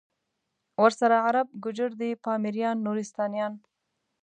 ورسره عرب، گوجر دی پامیریان، نورستانیان